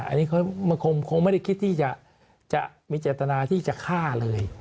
อันนี้เขาคงไม่ได้คิดที่จะมีเจตนาที่จะฆ่าเลย